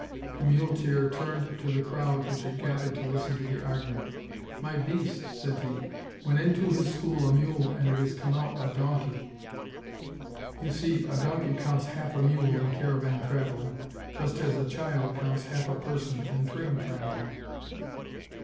The muleteer turned to the crowd which had gathered to listen to the argument. "My beast," said he, "went into his school a mule and it has come out a donkey." You see, a donkey counts half a mule in caravan traveling, just as child counts half a person in train traveling.